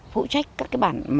phụ trách các bản